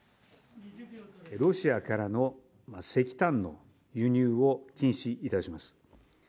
ロシアからの石炭の輸入を禁止いたします。